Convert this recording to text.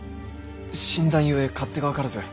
新参ゆえ勝手が分からず。